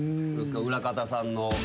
裏方さんの。